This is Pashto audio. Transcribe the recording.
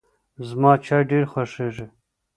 زما چای ډېر خوښیږي.